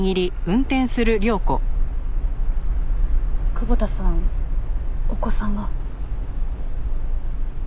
久保田さんお子さんは？